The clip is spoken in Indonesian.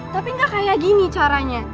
tapi nggak kayak gini caranya